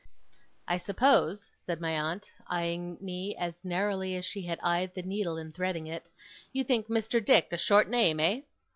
'I suppose,' said my aunt, eyeing me as narrowly as she had eyed the needle in threading it, 'you think Mr. Dick a short name, eh?